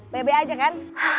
bebe aja kan